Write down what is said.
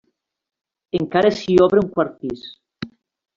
Encara s'hi obre un quart pis.